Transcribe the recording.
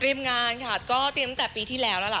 เตรียมงานค่ะก็เตรียมตั้งแต่ปีที่แล้วน่ะล่ะ